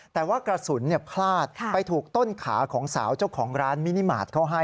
แต่ว่ากระสุนพลาดไปถูกต้นขาของสาวเจ้าของร้านมินิมาตรเขาให้